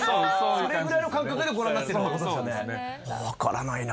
それぐらいの感覚でご覧になってるって事ですよね。